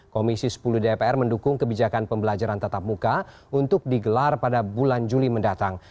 komisi sepuluh dpr mendukung kebijakan pembelajaran tatap muka untuk digelar pada bulan juli mendatang